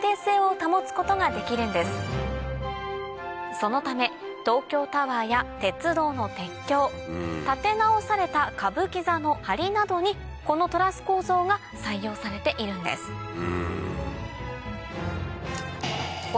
そのため東京タワーや鉄道の鉄橋建て直された歌舞伎座の梁などにこのトラス構造が採用されているんですする